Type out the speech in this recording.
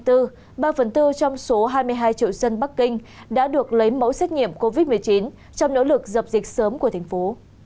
tổng số hai mươi hai triệu dân bắc kinh đã được lấy mẫu xét nghiệm covid một mươi chín trong nỗ lực dập dịch sớm của thành phố